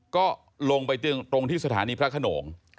ก็ลงไปตรงที่สถานีพระขนง